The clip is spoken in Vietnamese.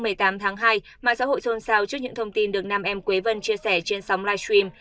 hôm một mươi tám tháng hai mạng xã hội xôn xao trước những thông tin được nam em quế vân chia sẻ trên sóng livestream